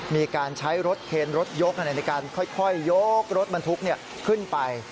มีการใช้รถเคนรถยกในการค่อยยกรถบรรทุกขึ้นไป